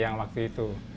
yang waktu itu